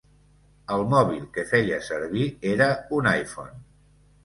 El mòbil que feia servir era un iPhone.